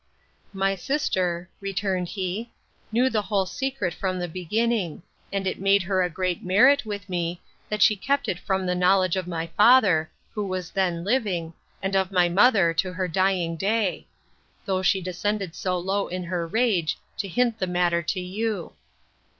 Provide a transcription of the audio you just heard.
My sister, returned he, knew the whole secret from the beginning; and it made her a great merit with me, that she kept it from the knowledge of my father, who was then living, and of my mother, to her dying day; though she descended so low in her rage, to hint the matter to you.